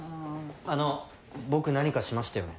あの僕何かしましたよね。